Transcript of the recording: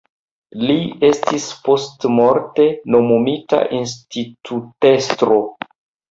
Li estis postmorte nomumita institutestro.